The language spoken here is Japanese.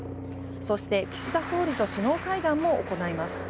そして岸田総理と首脳会談も行います。